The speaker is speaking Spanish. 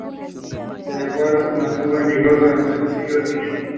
Este acuerdo se mantuvo en vigor durante el siglo siguiente.